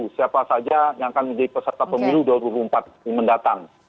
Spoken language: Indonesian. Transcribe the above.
siapa saja yang akan menjadi peserta pemilu dua ribu dua puluh empat yang mendatang